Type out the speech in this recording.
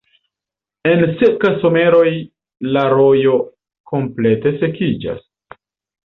En seka someroj la rojo komplete sekiĝas.